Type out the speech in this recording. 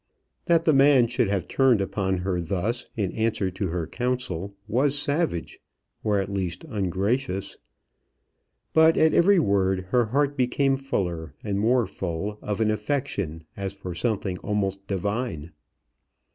That the man should have turned upon her thus, in answer to her counsel, was savage, or at least ungracious. But at every word her heart became fuller and more full of an affection as for something almost divine.